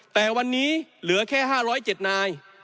แต่วันนี้เหลือแค่๕๐๗นาย